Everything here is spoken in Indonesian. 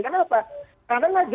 kenapa karena jelasnya